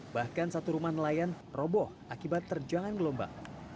bahkan satu rumah nelayan roboh akibat terjangan gelombang